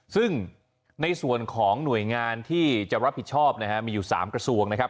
ซึ่งในส่วนของหน่วยงานที่จะรับผิดชอบนะฮะมีอยู่๓กระทรวงนะครับ